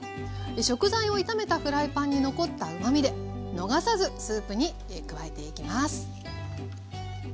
食材を炒めたフライパンに残ったうまみで逃さずスープに加えていきます。